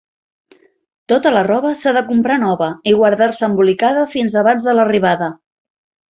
Tota la roba s'ha de comprar nova i guardar-se embolicada fins abans de l'arribada.